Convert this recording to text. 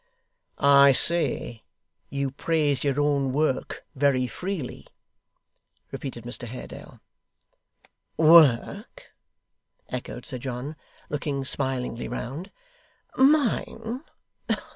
'I say you praise your own work very freely,' repeated Mr Haredale. 'Work!' echoed Sir John, looking smilingly round. 'Mine!